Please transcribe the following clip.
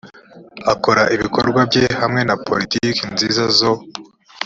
akora ibikorwa bye hamwe na politiki nziza zo